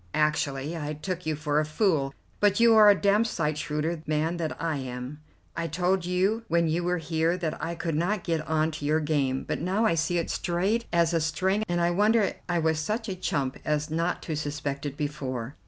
Actually I took you for a fool, but you are a damned sight shrewder man than I am. I told you when you were here that I could not get on to your game, but now I see it straight as a string, and I wonder I was such a chump as not to suspect it before.